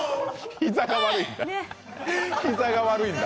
膝が悪いんだ。